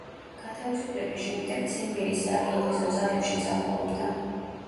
გათავისუფლების შემდეგ ციმბირის სარკინიგზო ძალებში მსახურობდა.